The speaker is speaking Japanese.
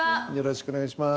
よろしくお願いします。